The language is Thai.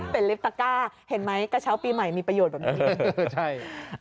เป็นลิฟต์ตะก้าเห็นไหมกระเช้าปีใหม่มีประโยชน์แบบนี้